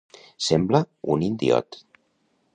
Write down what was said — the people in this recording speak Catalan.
Semblar un indiot.